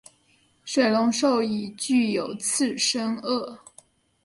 水龙兽已具有次生腭。